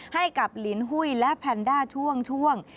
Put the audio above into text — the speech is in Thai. ให้กับลินหุ้ยและแพนด้าช่วง